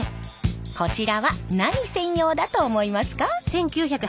こちらは何専用だと思いますか？え？